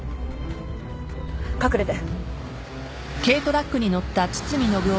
隠れて。